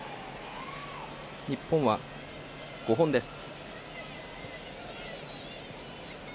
日本は５本です。